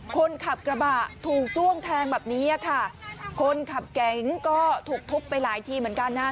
คนขับกระบะถูกจ้วงแทงแบบนี้อ่ะค่ะคนขับแก๊งก็ถูกทุบไปหลายทีเหมือนกันนะฮะ